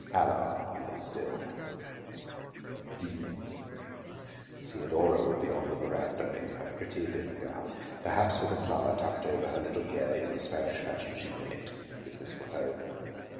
Allard lay still. Evening: Theodora would be on the veranda in her pretty dinner gown, perhaps with a flower tucked over her little ear in the Spanish fashion she mimicked, if this were home.